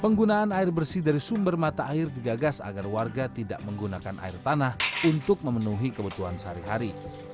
penggunaan air bersih dari sumber mata air digagas agar warga tidak menggunakan air tanah untuk memenuhi kebutuhan sehari hari